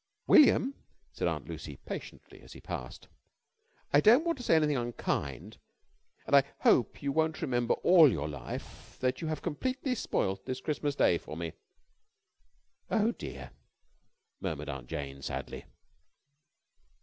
"William," said Aunt Lucy patiently, as he passed, "I don't want to say anything unkind, and I hope you won't remember all your life that you have completely spoilt this Christmas Day for me." "Oh, dear!" murmured Aunt Jane, sadly.